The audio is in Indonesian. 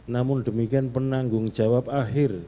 namun demikian penanggung jawab akhir